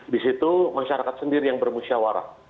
di situ masyarakat sendiri yang bermusyawarah